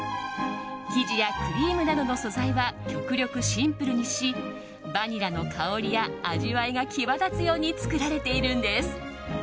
生地やクリームなどの素材は極力シンプルにしバニラの香りや味わいが際立つように作られているんです。